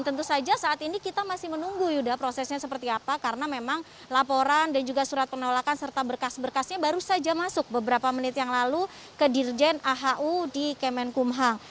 tentu saja saat ini kita masih menunggu yuda prosesnya seperti apa karena memang laporan dan juga surat penolakan serta berkas berkasnya baru saja masuk beberapa menit yang lalu ke dirjen ahu di kemenkumham